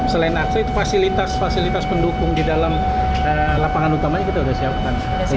selain akses fasilitas fasilitas pendukung di dalam lapangan utamanya kita sudah siapkan